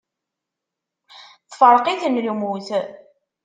Tefreq-iten lmut.